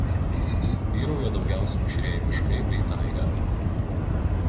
Vyrauja daugiausia mišrieji miškai bei taiga.